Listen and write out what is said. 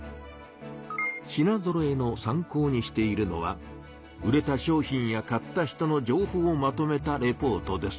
品ぞろえの参考にしているのは売れた商品や買った人の情報をまとめたレポートです。